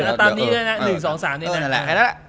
เอาตามนี้ด้วยนะ๑๒๓นี่นะ